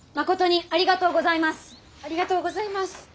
ありがとうございます。